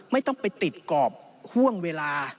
ไม่ต้องไปติดกรอบห่วงเวลา